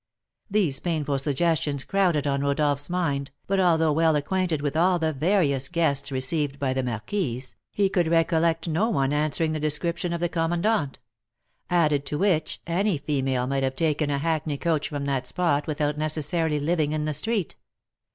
These painful suggestions crowded on Rodolph's mind, but, although well acquainted with all the various guests received by the marquise, he could recollect no one answering the description of the commandant; added to which, any female might have taken a hackney coach from that spot without necessarily living in the street.